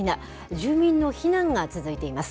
住民の避難が続いています。